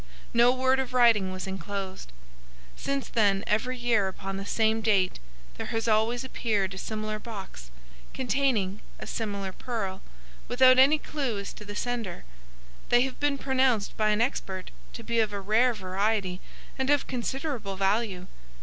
No word of writing was enclosed. Since then every year upon the same date there has always appeared a similar box, containing a similar pearl, without any clue as to the sender. They have been pronounced by an expert to be of a rare variety and of considerable value.